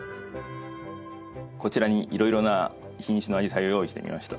こちらにいろいろな品種のアジサイを用意してみました。